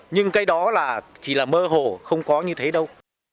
nhưng cái đó là chỉ là mơ hồ không có như thế đâu